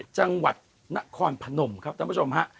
จังหวัดนครพนมครับท่านผู้ชมฮะ